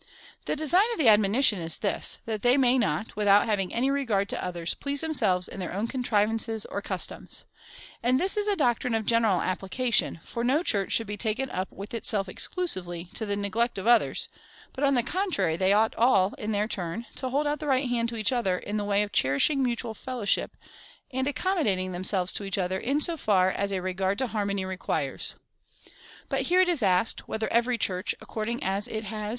The design of the admonition is this — that they may not, without having any regard to others, please themselves in their own contrivances or cus toms. And this is a doctrine of general application ; for no Church should be taken up with itself exclusively, to the neglect of others ; but on the contrary, they ought all, in their turn, to hold out the right hand to each other, in the way of cherishing mutual fellowship, and accommodating per se causas agebat, et importunis clamoribus judicibus obstrepebat ; non quod advocati ei deessent, sed quia impudentia abundabat.